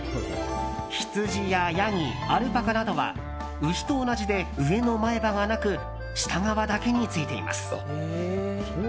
ヒツジやヤギ、アルパカなどは牛と同じで上の前歯がなく下側だけについています。